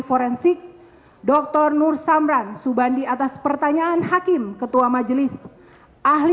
forensik dr nur samran subandi atas pertanyaan hakim ketua majelis ahli